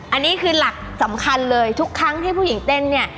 อันนี้คือหลักสำคัญเลยทุกครั้งที่ผู้หญิงเต้นเนี่ย